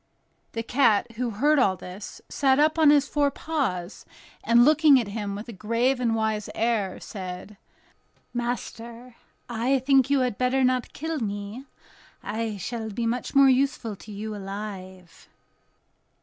The cat, who heard all this, sat up on his four paws, and looking at him with a grave and wise air, said: "Master, I think you had better not kill me; I shall be much more useful to you alive."